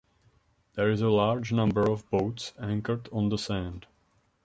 There is a large number of boats anchored on the sand.